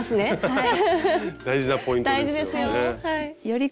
はい。